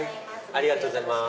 ありがとうございます。